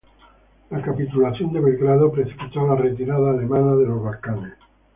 La capitulación de Belgrado precipitó la retirada alemana de los Balcanes.